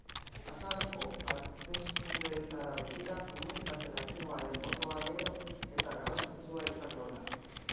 Azaroko hauteskundeetara begira, komunitate latinoaren botoa gero eta garrantzitsua izango da.